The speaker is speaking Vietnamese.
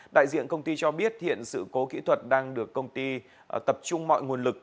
đại diện công ty cho biết hiện sự cố kỹ thuật đang được công ty tập trung mọi nguồn lực